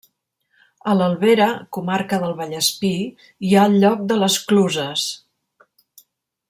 A l'Albera, comarca del Vallespir, hi ha el lloc de les Cluses.